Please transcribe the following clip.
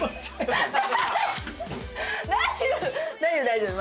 大丈夫！